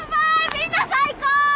みんな最高！